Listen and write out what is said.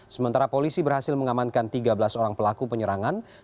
sementara polisi berhasil mengamankan tiga belas orang pelaku penyerangan